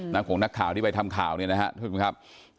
นางของนักข่าวที่ไปทำข่าวนี่นะฮะถูกมั้ยครับ